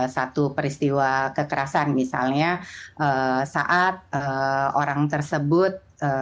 satu peristiwa kekerasan misalnya saat orang tersebut